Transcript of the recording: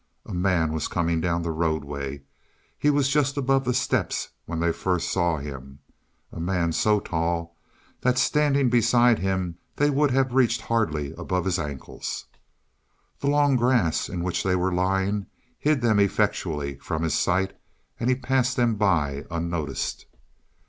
A man was coming down the roadway; he was just above the steps when they first saw him a man so tall that, standing beside him, they would have reached hardly above his ankles. The long grass in which they were lying hid them effectually from his sight and he passed them by unnoticed.